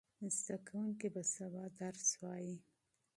زده کوونکي به سبا درس وایي.